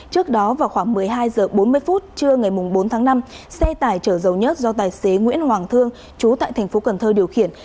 trước đó vào khoảng một mươi hai h bốn mươi trưa ngày bốn tháng năm xe chở dầu nhất do tài xế nguyễn hoàng thương chú tại tp cn điều khiển